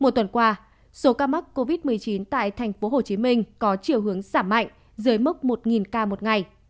một tuần qua số ca mắc covid một mươi chín tại thành phố hồ chí minh có chiều hướng giảm mạnh dưới mức một ca một ngày